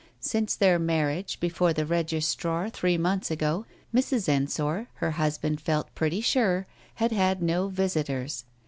Since their marriage, before the registrar, three months ago, Mrs. Ensor, her husband felt pretty sure, had had no visitors.